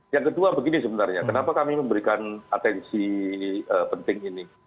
yang kedua begini sebenarnya kenapa kami memberikan atensi penting ini